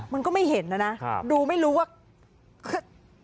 มันก็ไม่เห็นนะนะดูไม่รู้ว่าคือ